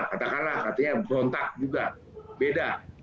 katakanlah katanya berontak juga beda